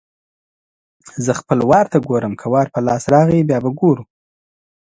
زه خپل وار ته ګورم؛ که وار په لاس راغی - بیا به ګورو.